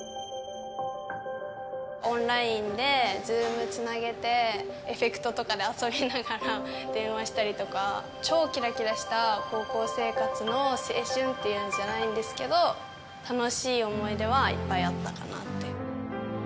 オンラインでＺｏｏｍつなげて、エフェクトとかで遊びながら電話したりとか超キラキラ高校生活の青春っていうんじゃないですけど楽しい思い出はいっぱいあったかなって。